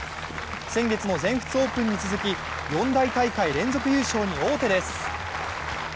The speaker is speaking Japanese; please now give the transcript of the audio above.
先月の全仏オープンに続き四大大会連続優勝に王手です。